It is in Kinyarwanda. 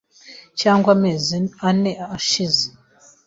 cyangwa amezi ane ashize